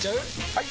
・はい！